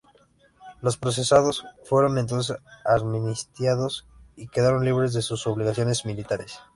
Los procesados fueron entonces amnistiados y quedaron libres de sus obligaciones militares.